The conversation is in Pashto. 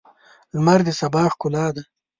لمر د سبا ښکلا ده.